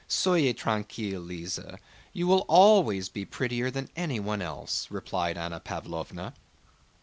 "Soyez tranquille, Lise, you will always be prettier than anyone else," replied Anna Pávlovna.